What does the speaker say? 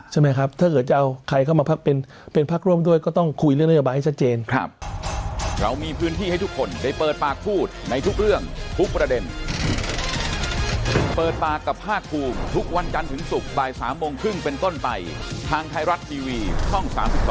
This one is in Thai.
ใช่ไหมครับถ้าเกิดจะเอาใครเข้ามาพักเป็นพักร่วมด้วยก็ต้องคุยเรื่องนโยบายให้ชัดเจน